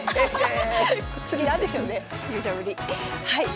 はい。